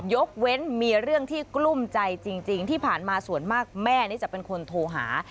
ยกเว้นมีเรื่องที่กลุ้มใจจริงที่ผ่านมาส่วนมากแม่นี่จะเป็นคนโทรหา